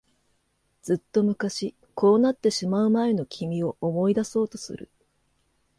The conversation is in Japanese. ずっと昔、こうなってしまう前の君を思い出そうとする。